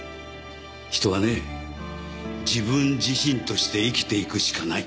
人はね自分自身として生きていくしかない。